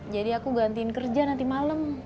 jadi aku gantiin kerja nanti malem